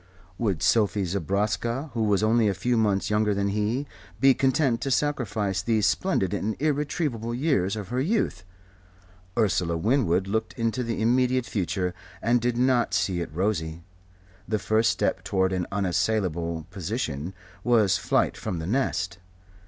Would Sophie Zobraska, who was only a few months younger than he, be content to sacrifice these splendid and irretrievable years of her youth? Ursula Winwood looked into the immediate future, and did not see it rosy. The first step toward an unassailable position was flight from the nest.